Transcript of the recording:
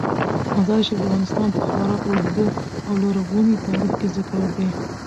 مزارشریف د افغانستان په خورا اوږده او لرغوني تاریخ کې ذکر دی.